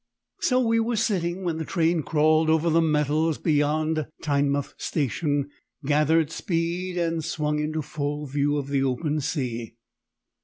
So we were sitting when the train crawled over the metals beyond Teignmouth Station, gathered speed, and swung into full view of the open sea.